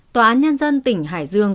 tòa án nhân dân tỉnh hải dương